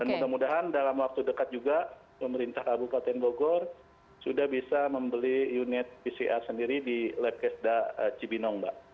dan mudah mudahan dalam waktu dekat juga pemerintah kabupaten bogor sudah bisa membeli unit pcr sendiri di labkesda cibinong mbak